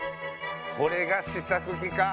これが試作機か。